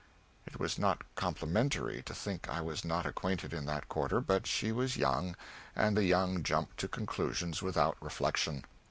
It was not complimentary to think I was not acquainted in that quarter, but she was young, and the young jump to conclusions without reflection.